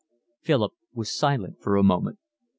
Philip was silent for a moment.